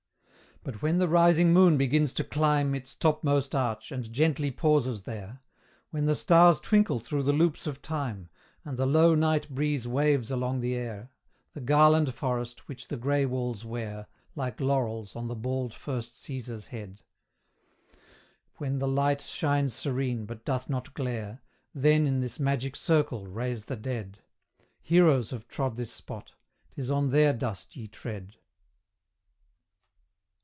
But when the rising moon begins to climb Its topmost arch, and gently pauses there; When the stars twinkle through the loops of time, And the low night breeze waves along the air, The garland forest, which the grey walls wear, Like laurels on the bald first Caesar's head; When the light shines serene, but doth not glare, Then in this magic circle raise the dead: Heroes have trod this spot 'tis on their dust ye tread.